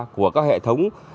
của các hệ thống